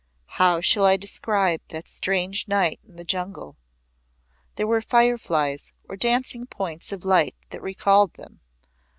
How shall I describe that strange night in the jungle. There were fire flies or dancing points of light that recalled them.